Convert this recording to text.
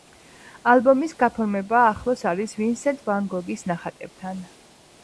ალბომის გაფორმება ახლოს არის ვინსენტ ვან გოგის ნახატებთან.